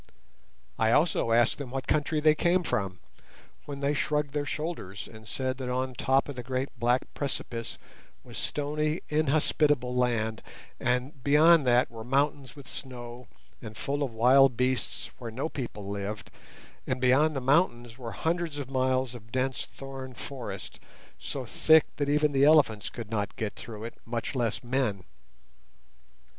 I also asked them what country they came from, when they shrugged their shoulders, and said that on the top of the great black precipice was stony inhospitable land, and beyond that were mountains with snow, and full of wild beasts, where no people lived, and beyond the mountains were hundreds of miles of dense thorn forest, so thick that even the elephants could not get through it, much less men.